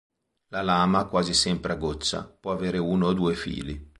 La lama, quasi sempre a goccia, può avere uno o due fili.